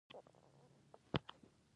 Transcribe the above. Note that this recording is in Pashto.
ملګري ملتونه یو سیاسي سازمان دی.